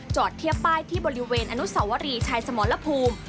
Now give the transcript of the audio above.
เทียบป้ายที่บริเวณอนุสวรีชายสมรภูมิ